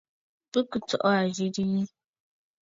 Bɨ kɨ̀ tsɔʼɔ àzɨrə̀ yi.